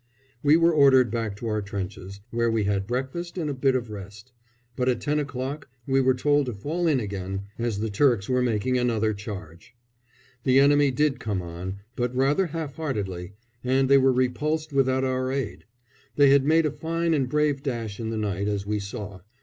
We were ordered back to our trenches, where we had breakfast and a bit of rest; but at ten o'clock we were told to fall in again, as the Turks were making another charge. The enemy did come on, but rather half heartedly, and they were repulsed without our aid. They had made a fine and brave dash in the night, as we saw.